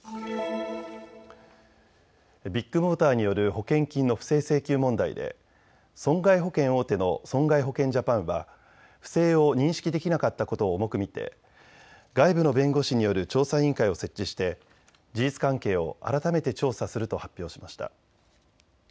ビッグモーターによる保険金の不正請求問題で損害保険大手の損害保険ジャパンは不正を認識できなかったことを重く見て外部の弁護士による調査委員会を設置して事実関係を改めて調査すると発表しました。